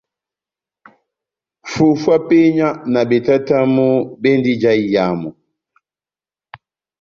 Fufu ya penya na betatamu bendi ija iyamu.